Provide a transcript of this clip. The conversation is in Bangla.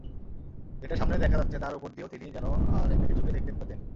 যেটা সামনে দেখা যাচ্ছে তার উপর দিয়েও তিনি যেন আর একটা-কিছুকে দেখতে পেতেন।